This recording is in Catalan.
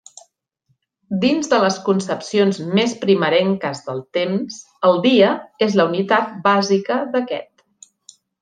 Dins de les concepcions més primerenques del temps el dia és la unitat bàsica d'aquest.